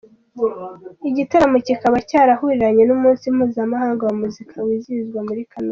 gitaramo kikaba cyarahuriranye numunsi mpuzamahanga wa muzika wizihizwa muri Kamena.